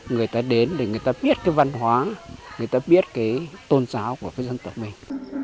người ta đến để người ta biết cái văn hóa người ta biết cái tôn giáo của cái dân tộc mình